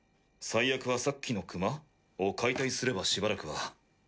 最悪はさっきの熊？を解体すればしばらくは。